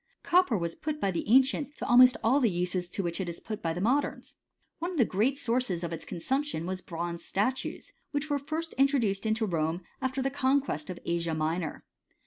* Copper was put by the ancients to almost all the uses to which it is put by the modems. One of the great sources of consumption was bronze statues, which were first introduced into Rome after the con quest of Asia Minor.